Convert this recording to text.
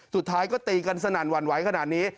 สุดท้ายก็ตีกันสนั่นหวั่นไหวขนาดนี้